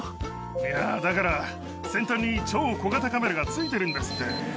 いやあ、だから先端に超小型カメラがついてるんですって。